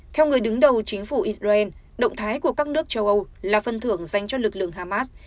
theo người đứng đầu chính phủ israel động thái của các nước châu âu là phân thưởng dành cho lực lượng hamas